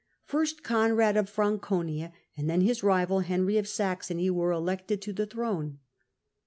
First Conrad of Franconia, and then his rival, Henry of Saxony, were elected to the throne.